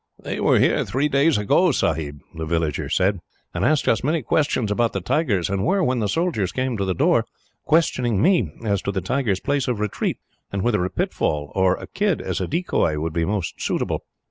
"They were here three days ago, Sahib," the villager said, "and asked us many questions about the tigers, and were, when the soldiers came to the door, questioning me as to the tiger's place of retreat, and whether a pitfall, or a kid as a decoy, would be most suitable."